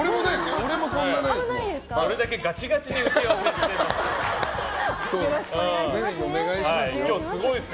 俺だけガチガチに打ち合わせしてますよ。